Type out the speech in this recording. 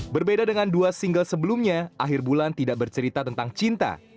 berbeda dengan dua single sebelumnya akhir bulan tidak bercerita tentang cinta